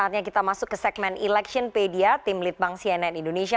tim liputan cnn indonesia